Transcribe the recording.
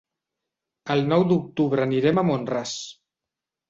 El nou d'octubre anirem a Mont-ras.